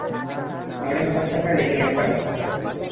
মনে পাপ থাকার এই একটা লক্ষণ।